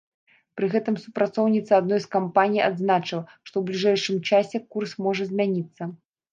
Пры гэтым супрацоўніца адной з кампаній адзначыла, што ў бліжэйшым часе курс можа змяніцца.